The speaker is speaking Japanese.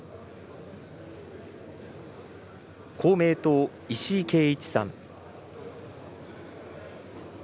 公明党、石井啓一さん。